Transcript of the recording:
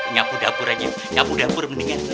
ngapu dapur aja ngapu dapur mendingan